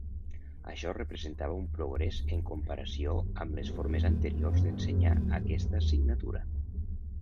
Això representava un progrés en comparació amb les formes anteriors d’ensenyar aquesta assignatura.